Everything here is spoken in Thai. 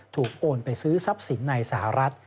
โอนไปซื้อทรัพย์สินในสหรัฐ